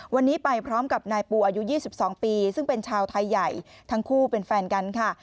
วันนี้ไปพร้อมกับนายปูอายุ๒๒ปีซึ่งเป็นชาวไทยใหญ่ทั้งคู่เป็นแฟนกันค่ะ